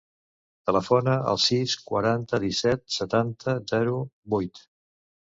Telefona al sis, quaranta, disset, setanta, zero, vuit.